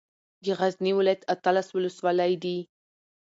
د غزني ولايت اتلس ولسوالۍ دي